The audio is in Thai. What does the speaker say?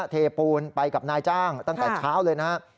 เทปูนไปกับนายจ้างตั้งแต่เช้าเลยนะครับ